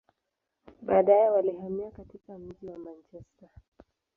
Baadaye, walihamia katika mji wa Manchester.